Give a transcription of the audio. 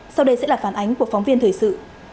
sau đây sẽ là phản ánh của phóng viên thời sự